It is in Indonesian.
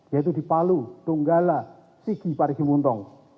yaitu di palu tunggala sigi pariwimuntong